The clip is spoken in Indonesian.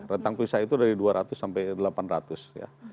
rentang visa itu dari dua ratus sampai delapan ratus ya